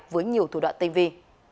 với nhiều thủ đoạn tinh vi